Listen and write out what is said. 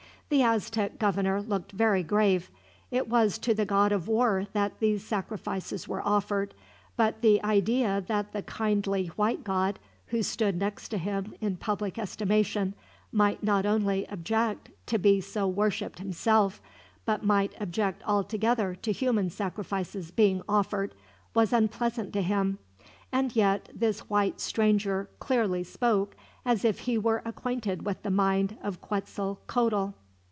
The Aztec governor looked very grave. It was to the god of war that these sacrifices were offered, but the idea that the kindly white god, who stood next to him in public estimation, might not only object to be so worshiped himself, but might object altogether to human sacrifices being offered, was unpleasant to him; and yet this white stranger clearly spoke as if he were acquainted with the mind of Quetzalcoatl.